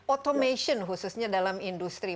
automation khususnya dalam industri